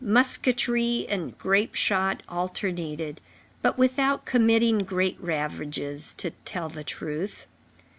Musketry and grape shot alternated, but without committing great ravages, to tell the truth.